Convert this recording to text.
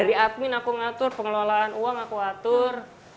dari admin aku ngatur pengelolaan uang aku atur